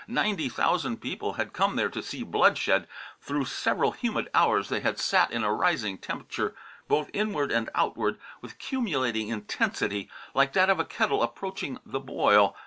Ninety thousand people had come there to see bloodshed; through several humid hours they had sat in a rising temperature, both inward and outward, with cumulating intensity like that of a kettle approaching the boil.